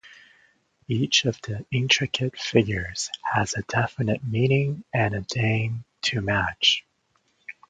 Each of the intricate figures has a definite meaning and a name to match.